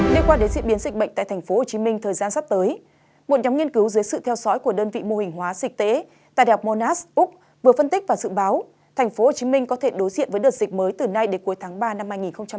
để qua đến diễn biến dịch bệnh tại tp hcm thời gian sắp tới một nhóm nghiên cứu dưới sự theo sói của đơn vị mô hình hóa dịch tế tại đh monash úc vừa phân tích và dự báo tp hcm có thể đối diện với đợt dịch mới từ nay đến cuối tháng ba năm hai nghìn hai mươi hai